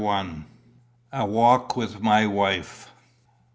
A WALK WITH MY WIFE.